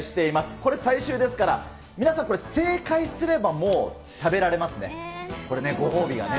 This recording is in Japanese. これ、最終ですから、皆さんこれ、正解すればもう食べられますね。